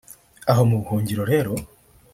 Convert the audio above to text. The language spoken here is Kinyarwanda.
Aho mu buhungiro rero